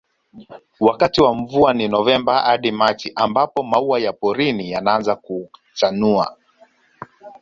Wakati wa mvua ni Novemba hadi Machi mbapo maua ya porini yanaaza kuchanua